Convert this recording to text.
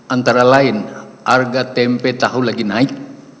antara lain harga tempe tahu lagi naik